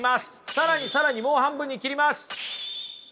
更に更にもう半分に切ります。